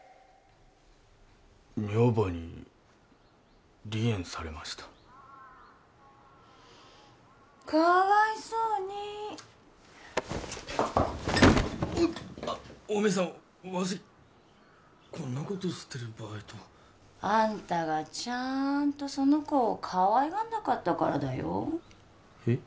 女房に離縁されましたかわいそうにあッお梅さんわしこんなことしてる場合とあんたがちゃんとその子をかわいがんなかったからだよへッ？